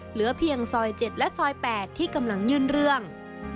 เหลือเพียงซอย๗และซอย๘ที่กำลังยื่นเรื่อง